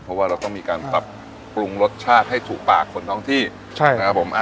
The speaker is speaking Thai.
เพราะว่าเราต้องมีการปรับปรุงรสชาติให้ถูกปากคนท้องที่ใช่นะครับผม